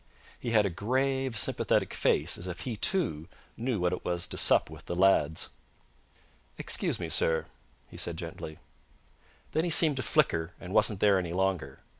He had a grave, sympathetic face, as if he, too, knew what it was to sup with the lads. "Excuse me, sir," he said gently. Then he seemed to flicker, and wasn't there any longer.